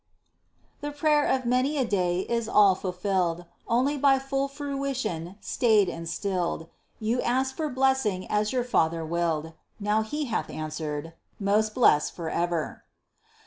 _) The prayer of many a day is all fulfilled, Only by full fruition stayed and stilled; You asked for blessing as your Father willed, Now He hath answered: 'Most blessed for ever!'